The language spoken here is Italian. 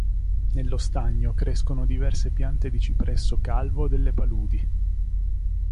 Nello stagno crescono diverse piante di cipresso calvo delle paludi.